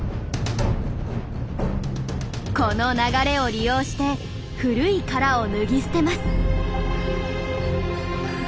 この流れを利用して古い殻を脱ぎ捨てます。